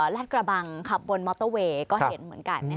ลาดกระบังขับบนมอเตอร์เวย์ก็เห็นเหมือนกัน